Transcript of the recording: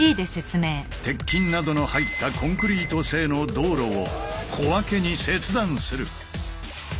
鉄筋などの入ったコンクリート製の道路を小分けに切断する。